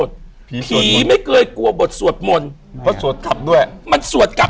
อยู่ที่แม่ศรีวิรัยิลครับ